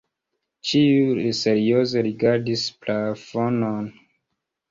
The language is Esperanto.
Ĉiuj serioze rigardis plafonon.